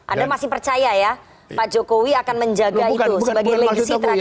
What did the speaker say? anda masih percaya ya pak jokowi akan menjaga itu sebagai legasi terhadap